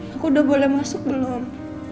aku udah boleh masuk belum